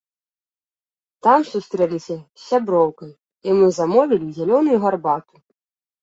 Там сустрэліся з сяброўкай і мы замовілі зялёную гарбату.